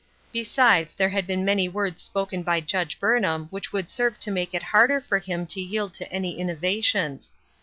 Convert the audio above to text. Besides, there had been many words spoken by Judge Burnham which would serve to make it harder for him to 3deld to any innovations.